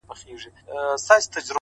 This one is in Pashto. دا ستا خبري مي د ژوند سرمايه؛